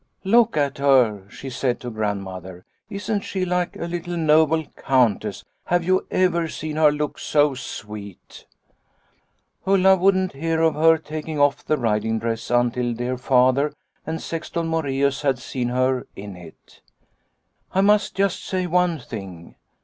"' Look at her,' she said to Grandmother. ' Isn't she like a little noble Countess ? Have you ever seen her look so sweet ?'" Ulla wouldn't hear of her taking off the riding dress until dear Father and Sexton Moreus had seen her in it. " I must just say one thing.